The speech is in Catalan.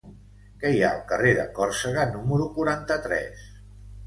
Què hi ha al carrer de Còrsega número quaranta-tres?